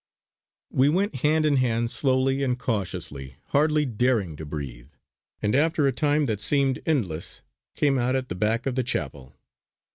We went hand in hand slowly and cautiously, hardly daring to breathe; and after a time that seemed endless came out at the back of the chapel.